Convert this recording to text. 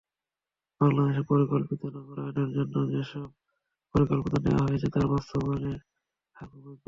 বাংলাদেশে পরিকল্পিত নগরায়ণের জন্য যেসব পরিকল্পনা নেওয়া হয়েছে, তার বাস্তবায়নের হার খুবই কম।